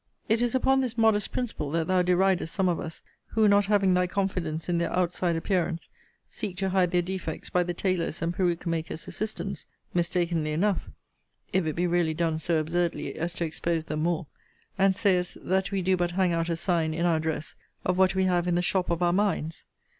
It is upon this modest principle that thou deridest some of us, who, not having thy confidence in their outside appearance, seek to hide their defects by the tailor's and peruke maker's assistance; (mistakenly enough, if it be really done so absurdly as to expose them more;) and sayest, that we do but hang out a sign, in our dress, of what we have in the shop of our minds.